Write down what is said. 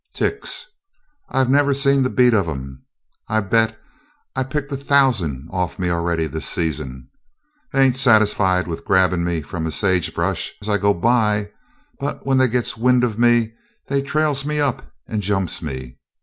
"Ticks. I never seen the beat of 'em. I bet I picked a thousand off me a'ready this season. They ain't satisfied with grabbin' me from a sagebrush as I go by, but when they gits wind of me they trails me up and jumps me.